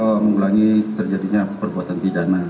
dan juga mengulangi terjadinya perbuatan tidak nah